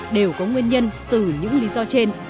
đều có nguyên nhân từ những lý do trên